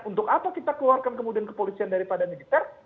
untuk apa kita keluarkan kemudian kepolisian daripada militer